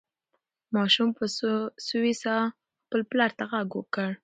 ماشوم په سوې ساه خپل پلار ته غږ وکړ.